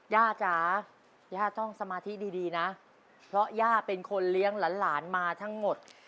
ย่าจ๋าย่าต้องสมาธิดีดีนะเพราะย่าเป็นคนเลี้ยงหลานมาทั้งหมด